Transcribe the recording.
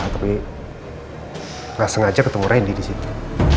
tapi gak sengaja ketemu randy disitu